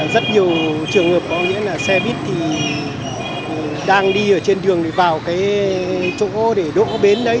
rất nhiều trường hợp có nghĩa là xe buýt thì đang đi trên đường vào chỗ để đỗ bến đấy